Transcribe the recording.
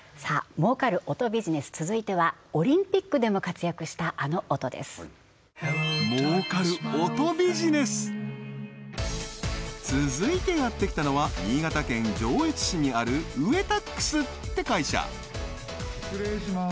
儲かる音ビジネス続いてはオリンピックでも活躍したあの音です続いてやってきたのはにあるウエタックスって会社失礼します